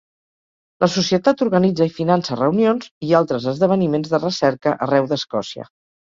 La societat organitza i finança reunions i altres esdeveniments de recerca arreu d'Escòcia.